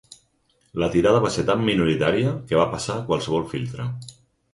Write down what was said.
La tirada va ser tan minoritària que va passar qualsevol filtre.